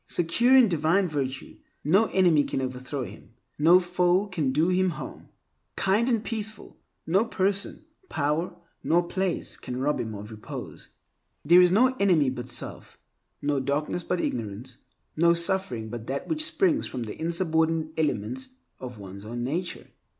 Secure in divine virtue, no enemy can overthrow him; no foe can do harm. Kind and peaceful, no person, power, nor place can rob him of repose. There is no enemy but self, no darkness but ignorance, no suffering but that which springs from the insubordinate elements of one's own nature.